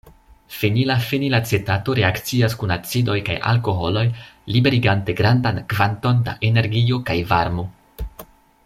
Fenila fenilacetato reakcias kun acidoj kaj alkoholoj liberigante grandan kvanton da energio kaj varmo.